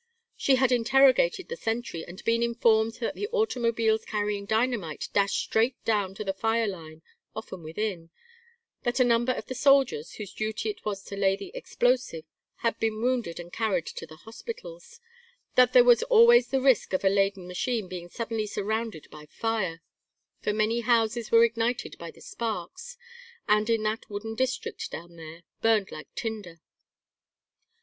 She had interrogated the sentry and been informed that the automobiles carrying dynamite dashed straight down to the fire line, often within; that a number of the soldiers, whose duty it was to lay the explosive, had been wounded and carried to the hospitals; that there was always the risk of a laden machine being suddenly surrounded by fire, for many houses were ignited by the sparks, and, in that wooden district down there, burned like tinder.